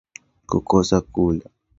Kukosa kula